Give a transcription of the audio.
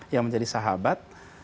yang menjadi sahabat